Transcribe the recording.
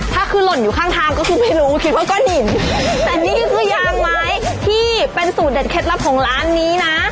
ถ้าคือหล่นอยู่ข้างทางก็คือไม่รู้คิดว่าก้อนหินแต่นี่คือยางไม้ที่เป็นสูตรเด็ดเคล็ดลับของร้านนี้นะ